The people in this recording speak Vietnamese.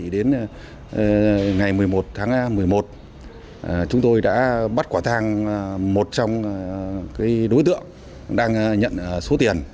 đến ngày một mươi một tháng một mươi một chúng tôi đã bắt quả thang một trong đối tượng đang nhận số tiền